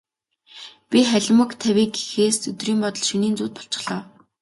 Би халимаг тавья гэхээс өдрийн бодол, шөнийн зүүд болчихлоо.